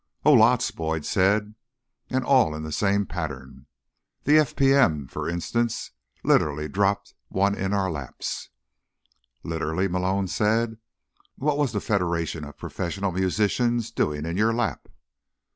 "Oh, lots," Boyd said. "And all in the same pattern. The FPM, for instance, literally dropped one in our laps." "Literally?" Malone said. "What was the Federation of Professional Musicians doing in your lap?"